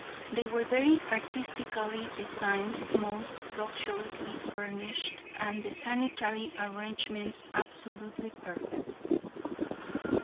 They were very artistically designed, most luxuriously furnished and the sanitary arrangements absolutely perfect.